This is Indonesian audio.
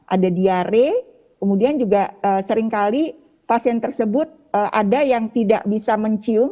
ada diare kemudian juga seringkali pasien tersebut ada yang tidak bisa mencium